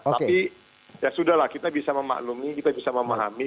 tapi ya sudah lah kita bisa memaklumi kita bisa memahami